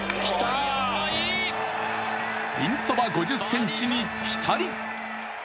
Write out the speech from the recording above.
ピンそば５０ｃｍにぴたり。